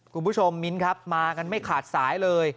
คุณผู้ชมมิ้นครับมากันไม่ขาดสายเลย